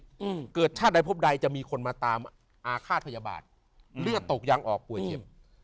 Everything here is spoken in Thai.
อืมเกิดชาติใดพบใดจะมีคนมาตามอาฆาตพยาบาทเลือดตกยังออกป่วยเข็ม